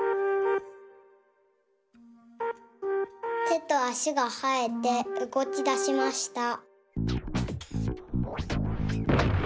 てとあしがはえてうごきだしました。